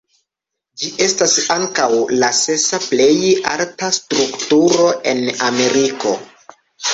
Ĝi estas ankaŭ la sesa plej alta strukturo en Ameriko.